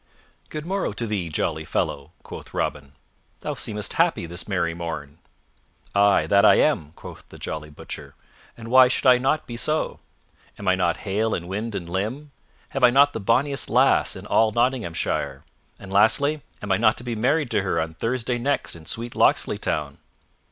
"Good morrow to thee, jolly fellow," quoth Robin, "thou seemest happy this merry morn." "Ay, that am I," quoth the jolly Butcher, "and why should I not be so? Am I not hale in wind and limb? Have I not the bonniest lass in all Nottinghamshire? And lastly, am I not to be married to her on Thursday next in sweet Locksley Town?"